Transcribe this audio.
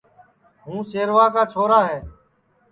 ہوں شیروا کا چھورا ہے